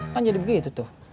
kan jadi begitu tuh